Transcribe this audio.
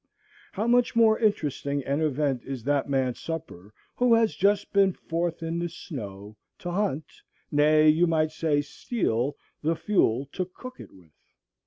How much more interesting an event is that man's supper who has just been forth in the snow to hunt, nay, you might say, steal, the fuel to cook it with!